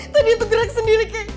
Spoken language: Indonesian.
tadi itu gerak sendiri